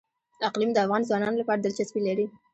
اقلیم د افغان ځوانانو لپاره دلچسپي لري.